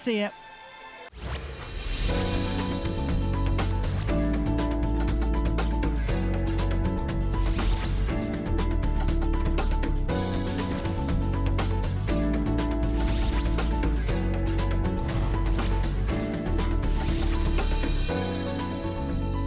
membernya memperolong buku olimpiade